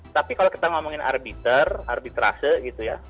tapi kalau kita ngomongin arbiter arbitrase gitu ya